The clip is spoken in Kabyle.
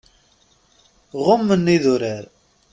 Ɣummen idurar.